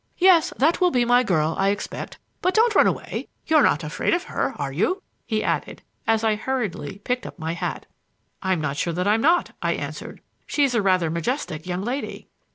"Yes, that will be my girl, I expect; but don't run away. You're not afraid of her, are you?" he added as I hurriedly picked up my hat. "I'm not sure that I'm not," I answered. "She is rather a majestic young lady."